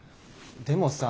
でもさ。